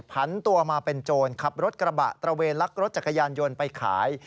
พันตัวมาเป็นโจรขับรถกระบะตระเวนลักรถจักรยานยนต์ไปขาย